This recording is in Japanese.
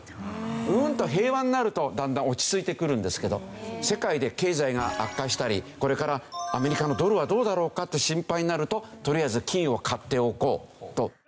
うんと平和になるとだんだん落ち着いてくるんですけど世界で経済が悪化したりこれからアメリカのドルはどうだろうかと心配になるととりあえず金を買っておこうと。